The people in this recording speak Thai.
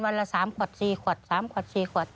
แล้ววันละสามขวดสี่ขวดสามขวดสี่ขวด